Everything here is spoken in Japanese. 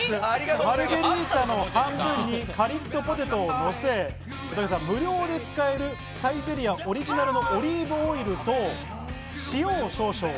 マルゲリータの半分にカリッとポテトをのせ、無料で使えるサイゼリヤオリジナルのオリーブオイルと塩を少々。